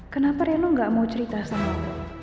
kenapa reno nggak mau cerita sama aku